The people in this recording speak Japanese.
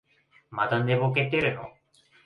まだ寝ぼけてるの？